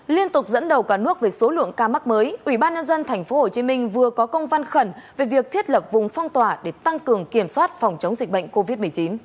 liên tục dẫn đầu cả nước về số lượng ca mắc mới ủy ban nhân dân tp hcm vừa có công văn khẩn về việc thiết lập vùng phong tỏa để tăng cường kiểm soát phòng chống dịch bệnh covid một mươi chín